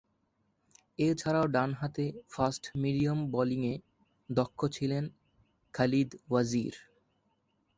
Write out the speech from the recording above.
এছাড়াও, ডানহাতে ফাস্ট-মিডিয়াম বোলিংয়ে দক্ষ ছিলেন খালিদ ওয়াজির।